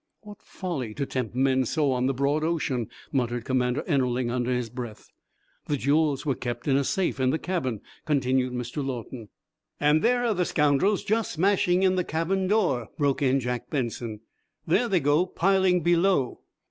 "What folly to tempt men so on the broad ocean!" muttered Commander Ennerling, under his breath. "The jewels were kept in a safe in the cabin," continued Mr. Lawton. "And there are the scoundrels just smashing in the cabin door," broke in Jack Benson. "There they go, piling below."